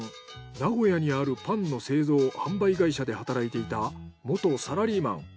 名古屋にあるパンの製造・販売会社で働いていた元サラリーマン。